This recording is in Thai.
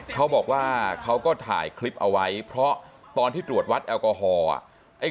เขาบอกว่าเขาก็ถ่ายคลิปเอาไว้เพราะตอนที่ตรวจวัดแอลกอฮอล์